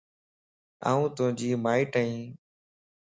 آن توجي ماٽئين